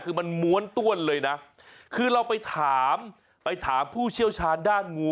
คือมันม้วนต้วนเลยนะคือเราไปถามไปถามผู้เชี่ยวชาญด้านงู